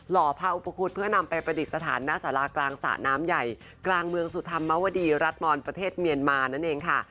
ห่อผ้าอุปคุฎเพื่อนำไปประดิษฐานหน้าสารากลางสระน้ำใหญ่กลางเมืองสุธรรมมวดีรัฐมอนประเทศเมียนมานั่นเองค่ะ